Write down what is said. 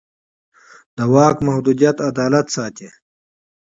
د واک محدودیت عدالت ساتي